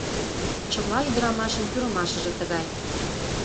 Чыла ӱдырамашын пӱрымашыже тыгай.